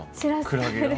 クラゲが？